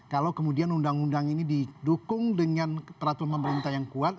kalau kemudian undang undang ini didukung dengan peraturan pemerintah yang kuat